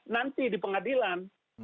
nanti di pengadilan